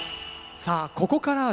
さあここからはですね